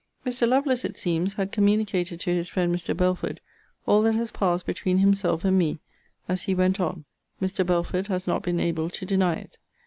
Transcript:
Mr. Lovelace, it seems, had communicated to his friend Mr. Belford all that has passed between himself and me, as he went on. Mr. Belford has not been able to deny it.